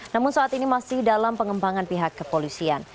namun saat ini masih dalam pengembangan pihak kepolisian